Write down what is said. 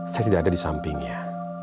saya tidak ada di sampingnya